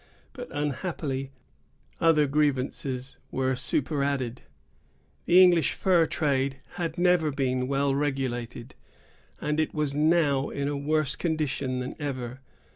But, unhappily, other grievances were superadded. The English fur trade had never been well regulated, and it was now in a worse condition than ever.